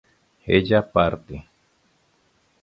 ella parte